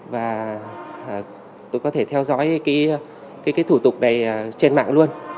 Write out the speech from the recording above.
và tôi có thể theo dõi cái thủ tục này trên mạng luôn